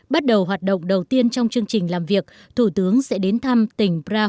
bắt đầu hoạt động đầu tiên trong chương trình làm việc thủ tướng sẽ đến thăm tỉnh braz